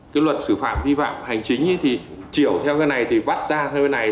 cái luật xử phạm vi phạm hành chính thì chiều theo cái này thì vắt ra theo cái này